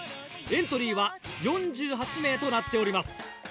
エントリーは４８名となっております。